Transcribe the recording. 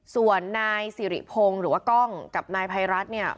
ส่วนนายสิริพงศ์หรือว่ากล้องกับนายภัยรัฐเนี่ย